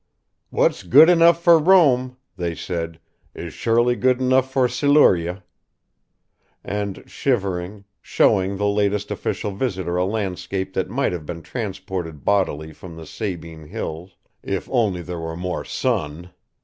"What's good enough for Rome," they said, "is surely good enough for Siluria," and, shivering, showed the latest official visitor a landscape that might have been transported bodily from the Sabine Hills ... if only there were more sun!